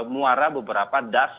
muara beberapa das